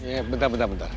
iya bentar bentar bentar